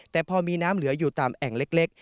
แต่พอมีน้ำเหลืออยู่ตามแอ่งเล็ก